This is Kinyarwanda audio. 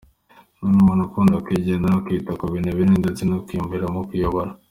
Ni umuntu ukunda kwigenga no kwita ku bintu binini ndetse no kwiyumvamo kuyobora.